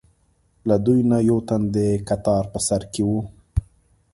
له دوی نه یو تن د کتار په سر کې و.